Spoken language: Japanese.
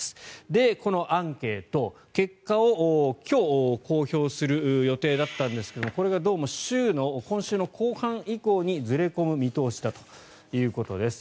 で、このアンケート結果を今日公表する予定だったんですがこれがどうも今週の後半以降にずれ込む見通しだということです。